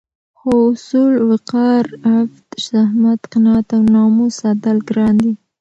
خو اصول، وقار، عفت، زحمت، قناعت او ناموس ساتل ګران دي